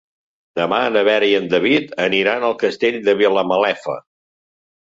Demà na Vera i en David aniran al Castell de Vilamalefa.